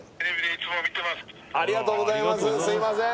すいません